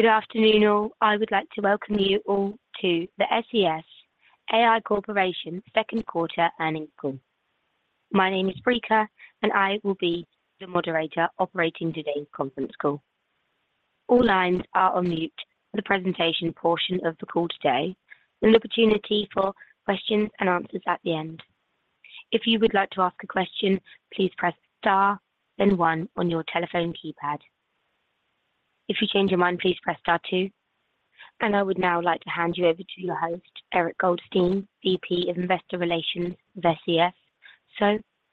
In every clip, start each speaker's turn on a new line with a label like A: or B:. A: Good afternoon, all. I would like to welcome you all to the SES AI Corporation second quarter earnings call. My name is Rica. I will be your moderator operating today's conference call. All lines are on mute for the presentation portion of the call today, with an opportunity for questions and answers at the end. If you would like to ask a question, please press Star, then one on your telephone keypad. If you change your mind, please press Star two. I would now like to hand you over to your host, Eric Goldstein, VP of Investor Relations of SES.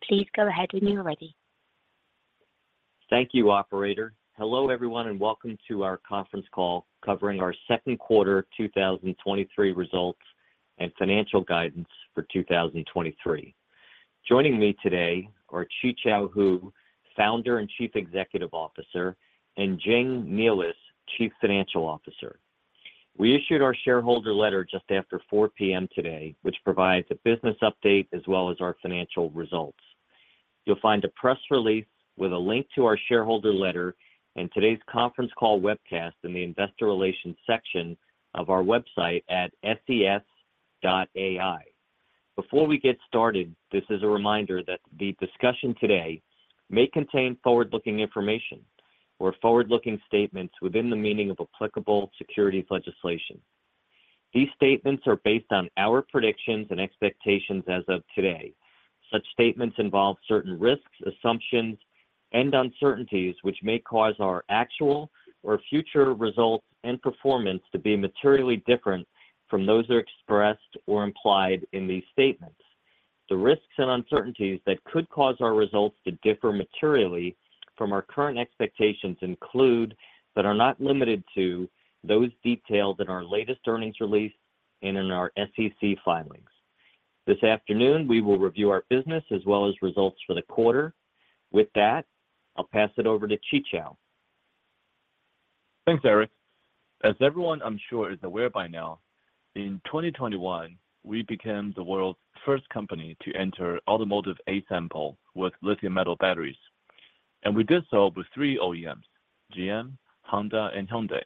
A: Please go ahead when you're ready.
B: Thank you, operator. Hello, everyone, welcome to our conference call covering our second quarter 2023 results and financial guidance for 2023. Joining me today are Qichao Hu, Founder and Chief Executive Officer, and Jing Nealis, Chief Financial Officer. We issued our shareholder letter just after 4:00 P.M. today, which provides a business update as well as our financial results. You'll find a press release with a link to our shareholder letter in today's conference call webcast in the Investor Relations section of our website at ses.ai. Before we get started, this is a reminder that the discussion today may contain forward-looking information or forward-looking statements within the meaning of applicable securities legislation. These statements are based on our predictions and expectations as of today. Such statements involve certain risks, assumptions, and uncertainties which may cause our actual or future results and performance to be materially different from those expressed or implied in these statements. The risks and uncertainties that could cause our results to differ materially from our current expectations include, but are not limited to, those detailed in our latest earnings release and in our SEC filings. This afternoon, we will review our business as well as results for the quarter. With that, I'll pass it over to Qichao.
C: Thanks, Eric. As everyone, I'm sure, is aware by now, in 2021, we became the world's first company to enter automotive A-sample with Li-metal batteries, and we did so with three OEMs: GM, Honda, and Hyundai.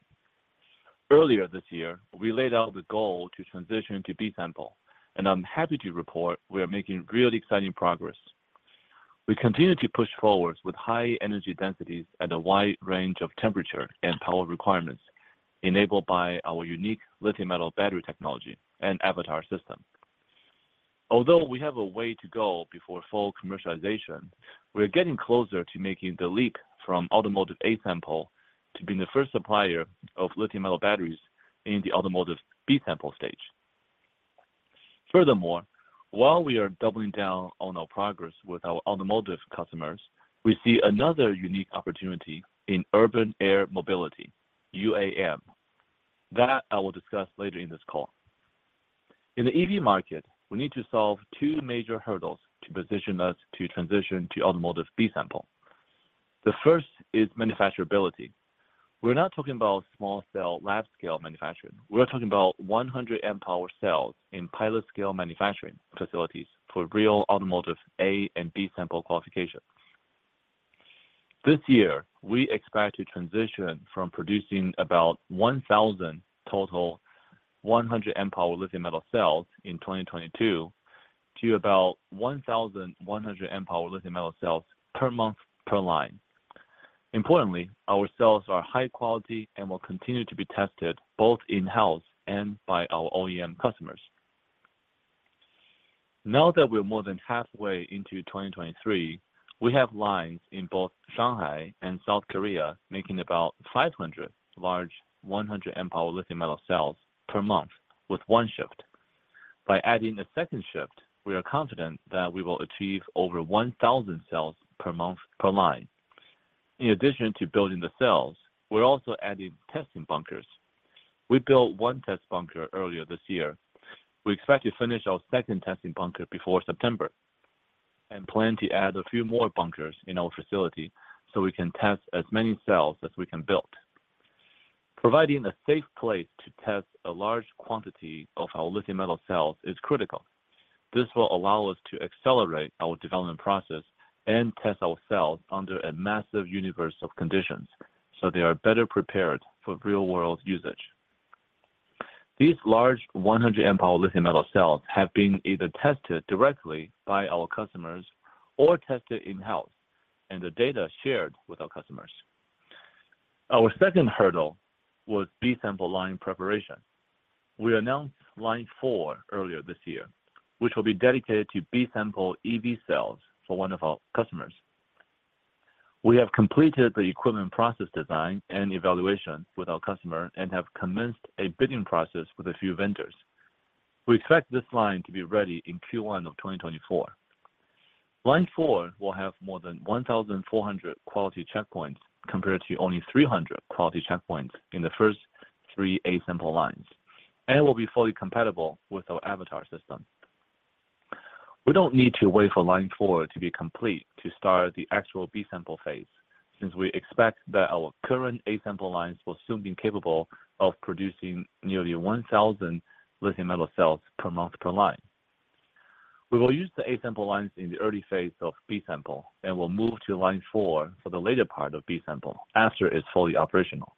C: Earlier this year, we laid out the goal to transition to B-sample, and I'm happy to report we are making really exciting progress. We continue to push forwards with high energy densities at a wide range of temperature and power requirements, enabled by our unique Li-metal battery technology and Avatar system. Although we have a way to go before full commercialization, we are getting closer to making the leap from automotive A-sample to being the first supplier of Li-metal batteries in the automotive B-sample stage. Furthermore, while we are doubling down on our progress with our automotive customers, we see another unique opportunity in Urban Air Mobility, UAM, that I will discuss later in this call. In the EV market, we need to solve two major hurdles to position us to transition to automotive B-sample. The first is manufacturability. We're not talking about small-cell, lab-scale manufacturing. We're talking about 100-mPOWER cells in pilot-scale manufacturing facilities for real automotive A-sample and B-sample qualification. This year, we expect to transition from producing about 1,000 total 100-mPOWER lithium-metal cells in 2022 to about 1,100-mPOWER lithium-metal cells per month per line. Importantly, our cells are high quality and will continue to be tested both in-house and by our OEM customers. Now that we're more than halfway into 2023, we have lines in both Shanghai and South Korea, making about 500 large 100-mPOWER lithium-metal cells per month with one shift. By adding a second shift, we are confident that we will achieve over 1,000 cells per month per line. In addition to building the cells, we're also adding testing bunkers. We built one test bunker earlier this year. We expect to finish our second testing bunker before September and plan to add a few more bunkers in our facility so we can test as many cells as we can build. Providing a safe place to test a large quantity of our lithium-metal cells is critical. This will allow us to accelerate our development process and test our cells under a massive universe of conditions, so they are better prepared for real-world usage. These large 100-mPOWER lithium-metal cells have been either tested directly by our customers or tested in-house. The data shared with our customers. Our second hurdle was B-sample line preparation. We announced Line 4 earlier this year, which will be dedicated to B-sample EV cells for one of our customers. We have completed the equipment process design and evaluation with our customer and have commenced a bidding process with a few vendors. We expect this line to be ready in Q1 of 2024. Line 4 will have more than 1,400 quality checkpoints, compared to only 300 quality checkpoints in the first three A-sample lines, and will be fully compatible with our Avatar system. We don't need to wait for Line 4 to be complete to start the actual B-sample phase, since we expect that our current A-sample lines will soon be capable of producing nearly 1,000 lithium-metal cells per month per line. We will use the A-sample lines in the early phase of B-sample, and we'll move to Line 4 for the later part of B-sample after it's fully operational.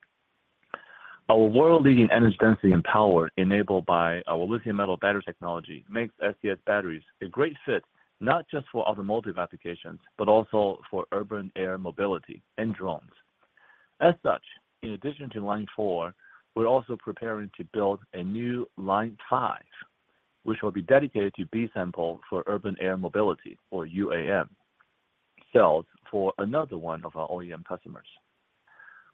C: Our world-leading energy density and power, enabled by our Li-metal battery technology, makes SES batteries a great fit, not just for automotive applications, but also for Urban Air Mobility and drones. In addition to Line 4, we're also preparing to build a new Line 5, which will be dedicated to B-sample for Urban Air Mobility or UAM cells for another one of our OEM customers.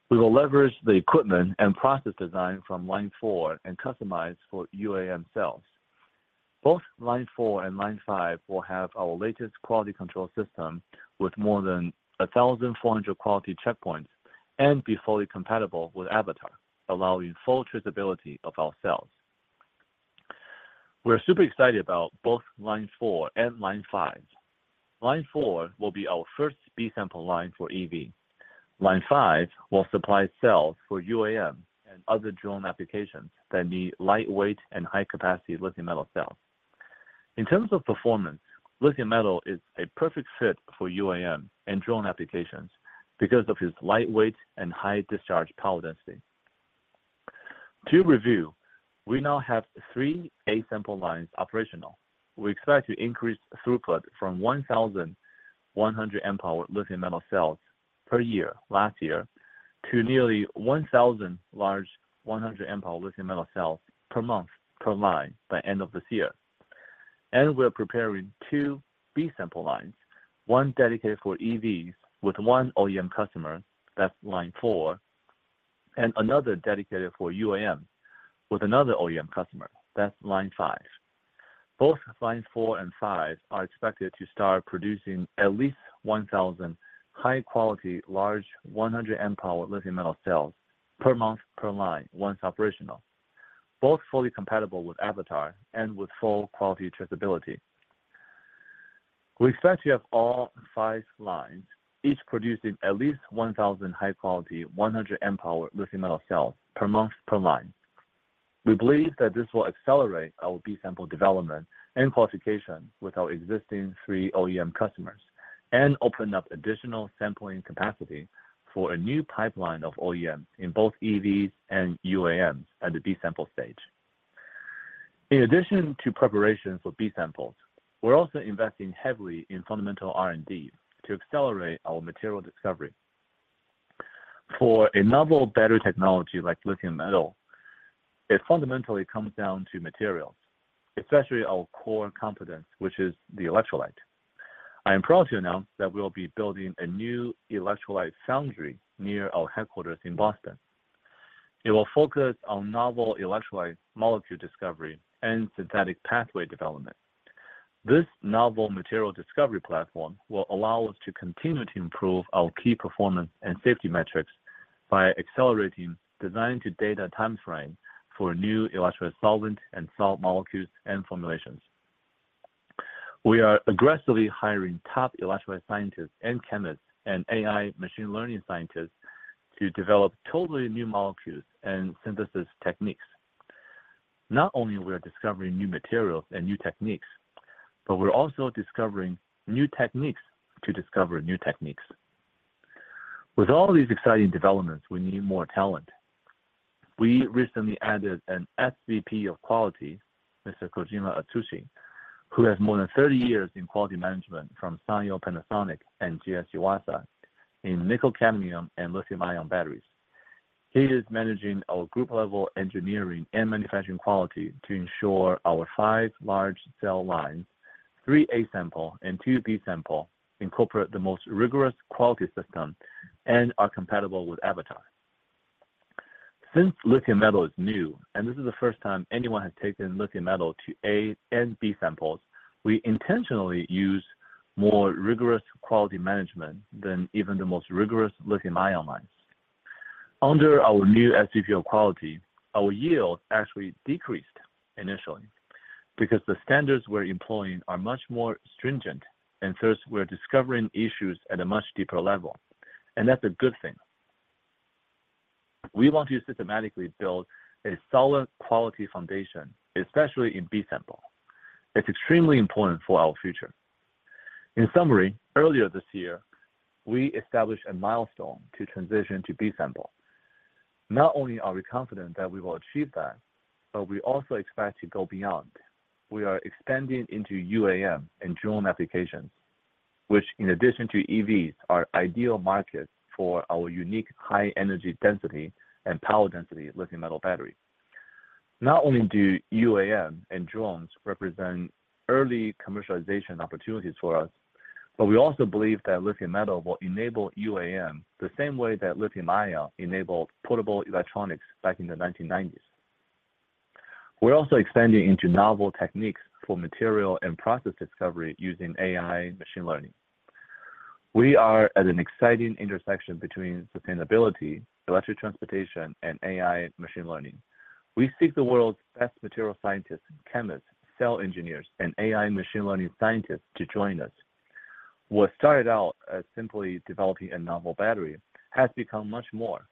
C: We will leverage the equipment and process design from Line 4 and customize for UAM cells. Both Line 4 and Line 5 will have our latest quality control system with more than 1,400 quality checkpoints and be fully compatible with Avatar, allowing full traceability of our cells. We're super excited about both Line 4 and Line 5. Line 4 will be our first B-sample line for EV. Line 5 will supply cells for UAM and other drone applications that need lightweight and high-capacity lithium-metal cells. In terms of performance, Li-metal is a perfect fit for UAM and drone applications because of its lightweight and high discharge power density. To review, we now have three A-sample lines operational. We expect to increase throughput from 1,100-mPOWER lithium-metal cells per year, last year, to nearly 1,000 large 100-mPOWER lithium-metal cells per month, per line, by end of this year. We're preparing 2 B-sample lines, 1 dedicated for EVs with 1 OEM customer, that's Line 4, and another dedicated for UAM with another OEM customer, that's Line 5. Both Lines 4 and 5 are expected to start producing at least 1,000 high-quality, large, 100-mPOWER lithium-metal cells per month, per line, once operational, both fully compatible with Avatar and with full quality traceability. We expect to have all 5 lines, each producing at least 1,000 high-quality, 100-mPOWER lithium-metal cells per month, per line. We believe that this will accelerate our B-sample development and qualification with our existing 3 OEM customers and open up additional sampling capacity for a new pipeline of OEMs in both EVs and UAMs at the B-sample stage. In addition to preparations for B-samples, we're also investing heavily in fundamental R&D to accelerate our material discovery. For a novel battery technology like Li-metal, it fundamentally comes down to materials, especially our core competence, which is the electrolyte. I am proud to announce that we will be building a new Electrolyte Foundry near our headquarters in Boston. It will focus on novel electrolyte molecule discovery and synthetic pathway development. This novel material discovery platform will allow us to continue to improve our key performance and safety metrics by accelerating design-to-data time frame for new electrolyte solvent and salt molecules and formulations. We are aggressively hiring top electrolyte scientists and chemists and AI machine learning scientists to develop totally new molecules and synthesis techniques. Not only we are discovering new materials and new techniques, but we're also discovering new techniques to discover new techniques. With all these exciting developments, we need more talent. We recently added an SVP of Quality, Mr. Kojima Atsushi, who has more than 30 years in quality management from Sanyo, Panasonic, and GS Yuasa in nickel, cadmium, and lithium-ion batteries. He is managing our group-level engineering and manufacturing quality to ensure our 5 large cell lines, 3 A-sample and 2 B-sample, incorporate the most rigorous quality system and are compatible with Avatar. Since Li-metal is new, and this is the first time anyone has taken Li-metal to A- and B-samples, we intentionally use more rigorous quality management than even the most rigorous lithium-ion lines. Under our new SVP of Quality, our yield actually decreased initially because the standards we're employing are much more stringent, thus, we're discovering issues at a much deeper level. That's a good thing. We want to systematically build a solid quality foundation, especially in B-sample. It's extremely important for our future. In summary, earlier this year, we established a milestone to transition to B-sample. Not only are we confident that we will achieve that, we also expect to go beyond. We are expanding into UAM and drone applications, which, in addition to EVs, are ideal markets for our unique high-energy density and power density Li-metal battery. Not only do UAM and drones represent early commercialization opportunities for us, we also believe that Li-metal will enable UAM, the same way that lithium-ion enabled portable electronics back in the 1990s. We're also expanding into novel techniques for material and process discovery using AI machine learning. We are at an exciting intersection between sustainability, electric transportation, and AI machine learning. We seek the world's best material scientists and chemists, cell engineers, and AI machine learning scientists to join us. What started out as simply developing a novel battery has become much more,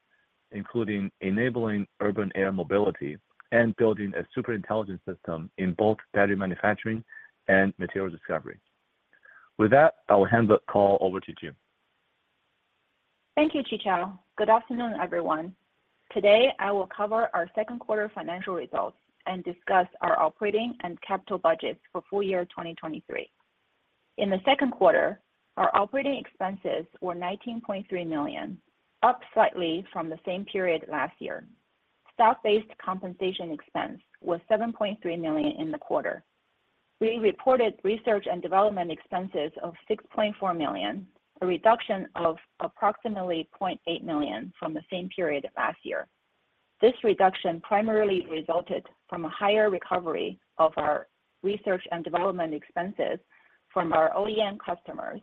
C: including enabling Urban Air Mobility and building a super intelligent system in both battery manufacturing and material discovery. With that, I will hand the call over to Jing.
D: Thank you, Qichao. Good afternoon, everyone. Today, I will cover our second quarter financial results and discuss our operating and capital budgets for full year 2023. In the second quarter, our operating expenses were $19.3 million, up slightly from the same period last year. Stock-based compensation expense was $7.3 million in the quarter. We reported research and development expenses of $6.4 million, a reduction of approximately $0.8 million from the same period last year. This reduction primarily resulted from a higher recovery of our research and development expenses from our OEM customers,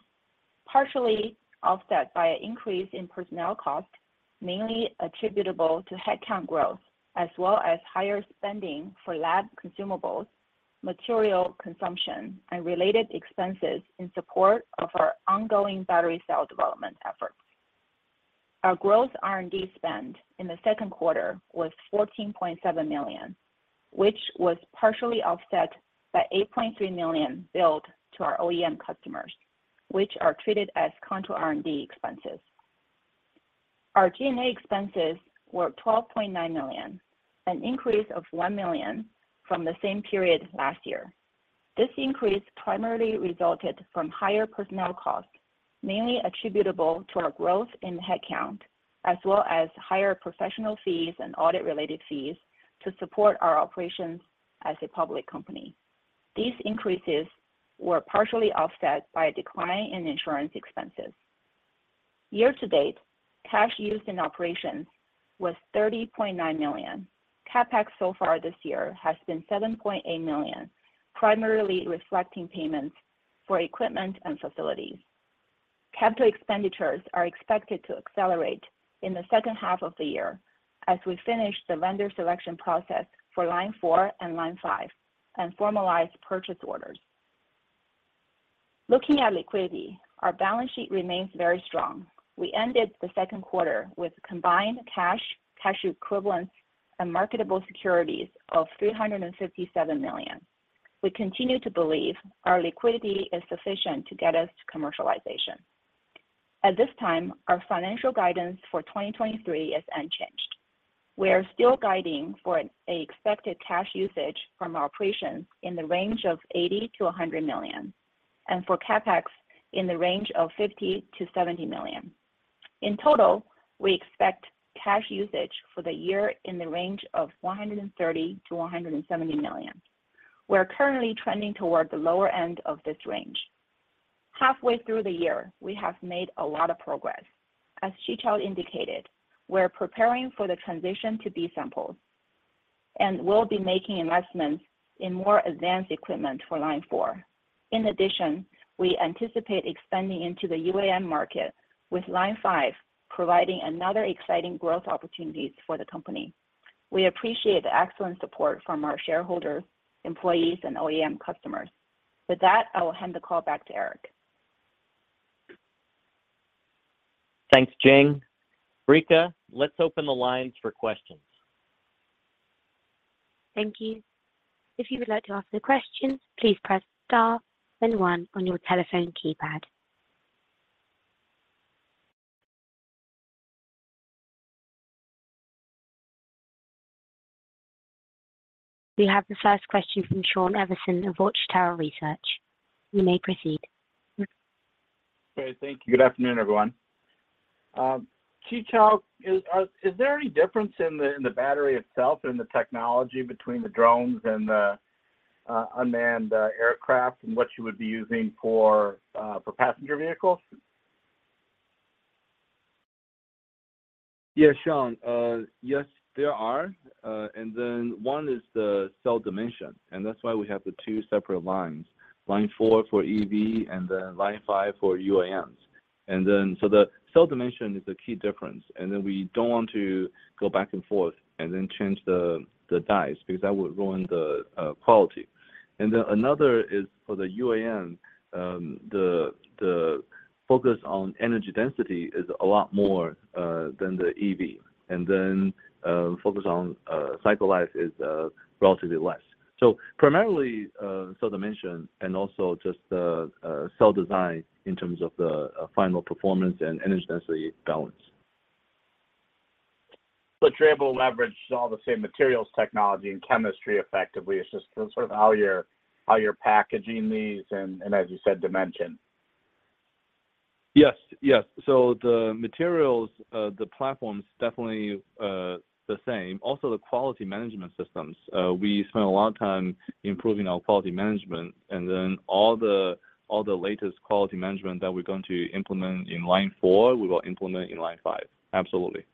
D: partially offset by an increase in personnel costs, mainly attributable to headcount growth, as well as higher spending for lab consumables, material consumption, and related expenses in support of our ongoing battery cell development efforts. Our gross R&D spend in the second quarter was $14.7 million, which was partially offset by $8.3 million billed to our OEM customers, which are treated as contra R&D expenses. Our G&A expenses were $12.9 million, an increase of $1 million from the same period last year. This increase primarily resulted from higher personnel costs, mainly attributable to our growth in headcount, as well as higher professional fees and audit-related fees to support our operations as a public company. These increases were partially offset by a decline in insurance expenses. Year-to-date, cash used in operations was $30.9 million. CapEx so far this year has been $7.8 million, primarily reflecting payments for equipment and facilities. Capital expenditures are expected to accelerate in the second half of the year as we finish the vendor selection process for Line 4 and Line 5 and formalize purchase orders. Looking at liquidity, our balance sheet remains very strong. We ended the second quarter with combined cash, cash equivalents, and marketable securities of $357 million. We continue to believe our liquidity is sufficient to get us to commercialization. At this time, our financial guidance for 2023 is unchanged. We are still guiding for a expected cash usage from our operations in the range of $80 million-$100 million, and for CapEx in the range of $50 million-$70 million. In total, we expect cash usage for the year in the range of $130 million-$170 million. We're currently trending toward the lower end of this range. Halfway through the year, we have made a lot of progress. As Qichao indicated, we're preparing for the transition to B-samples, and we'll be making investments in more advanced equipment for Line 4. In addition, we anticipate expanding into the UAM market, with Line 5 providing another exciting growth opportunities for the company. We appreciate the excellent support from our shareholders, employees, and OEM customers. With that, I will hand the call back to Eric.
B: Thanks, Jing. Rica, let's open the lines for questions.
A: Thank you. If you would like to ask a question, please press star then 1 on your telephone keypad. We have the first question from Shawn Severson of Water Tower Research. You may proceed.
E: Great. Thank you. Good afternoon, everyone. Qichao, is there any difference in the battery itself, in the technology between the drones and the unmanned aircraft and what you would be using for passenger vehicles?
C: Yeah, Shawn. Yes, there are, and then one is the cell dimension, and that's why we have the two separate lines, Line 4 for EV and then Line 5 for UAMs. The cell dimension is the key difference, and then we don't want to go back and forth and then change the dies, because that would ruin the quality. Another is for the UAM, the, the focus on energy density is a lot more than the EV, and then, focus on cycle life is relatively less. Primarily, cell dimension and also just the cell design in terms of the final performance and energy density balance.
E: You're able to leverage all the same materials, technology, and chemistry effectively. It's just sort of how you're packaging these and as you said, dimension.
C: Yes. Yes. The materials, the platform's definitely, the same. Also, the quality management systems. We spent a lot of time improving our quality management, and then all the, all the latest quality management that we're going to implement in Line 4, we will implement in Line 5. Absolutely.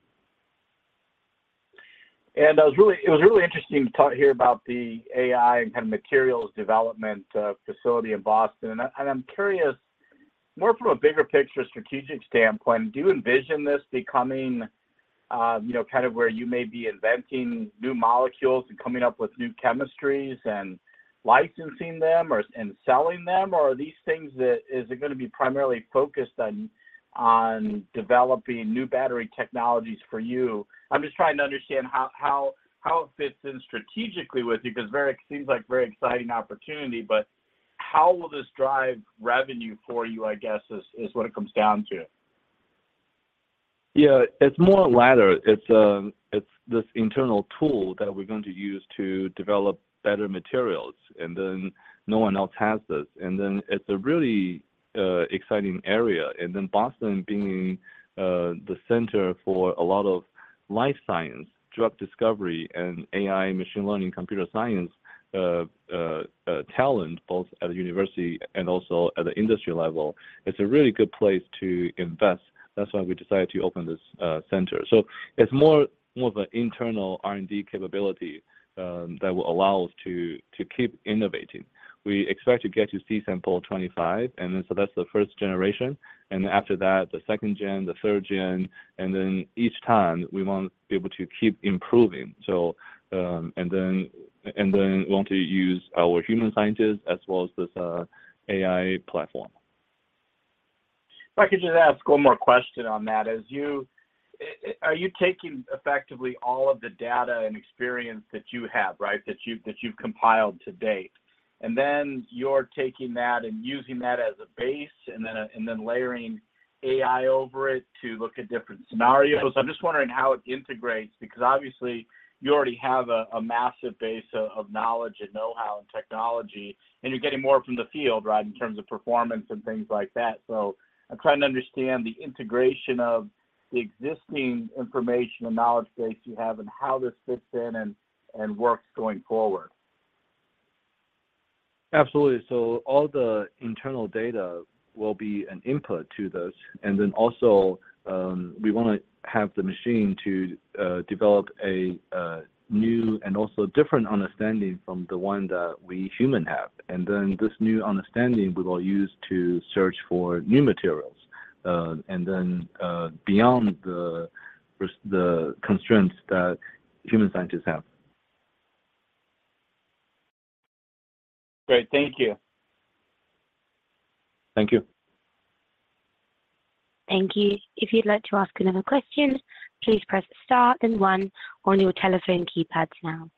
E: It was really interesting to talk, hear about the AI and kind of materials development facility in Boston. I, and I'm curious, more from a bigger picture, strategic standpoint, do you envision this becoming, you know, kind of where you may be inventing new molecules and coming up with new chemistries and licensing them or, and selling them? Are these things that, is it gonna be primarily focused on, on developing new battery technologies for you? I'm just trying to understand how, how, how it fits in strategically with you, because it seems like very exciting opportunity, but how will this drive revenue for you, I guess, is, is what it comes down to?
C: Yeah, it's more latter. It's, it's this internal tool that we're going to use to develop better materials, and then no one else has this. It's a really exciting area. Boston being the center for a lot of life science, drug discovery, and AI, machine learning, computer science talent, both at the university and also at the industry level, it's a really good place to invest. That's why we decided to open this center. It's more, more of an internal R&D capability that will allow us to keep innovating. We expect to get to C-sample 25. That's the first generation, and after that, the second gen, the third gen, each time, we want to be able to keep improving. Then, and then we want to use our human scientists as well as this AI platform.
E: If I could just ask one more question on that. As you, are you taking effectively all of the data and experience that you have, right? That you've, that you've compiled to date, and then you're taking that and using that as a base, and then, and then layering AI over it to look at different scenarios? I'm just wondering how it integrates, because obviously you already have a, a massive base of, of knowledge and know-how and technology, and you're getting more from the field, right, in terms of performance and things like that. I'm trying to understand the integration of the existing information and knowledge base you have and how this fits in and, and works going forward.
C: Absolutely. All the internal data will be an input to this. We wanna have the machine to develop a new and also different understanding from the one that we human have. This new understanding we will use to search for new materials, and then beyond the constraints that human scientists have.
E: Great. Thank you.
C: Thank you.
A: Thank you. If you'd like to ask another question, please press star then One on your telephone keypads now.